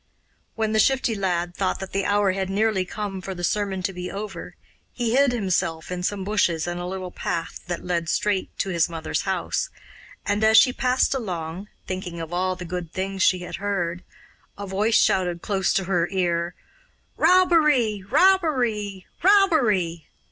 When the Shifty Lad thought that the hour had nearly come for the sermon to be over, he hid himself in some bushes in a little path that led straight to his mother's house, and, as she passed along, thinking of all the good things she had heard, a voice shouted close to her ear 'Robbery! Robbery! Robbery!